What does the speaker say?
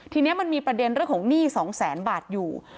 ทีนี้มันมีประเด็นเรื่องของหนี้๒แสนบาทอยู่